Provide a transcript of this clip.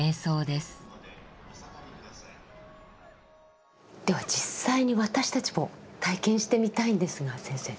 では実際に私たちも体験してみたいんですが先生。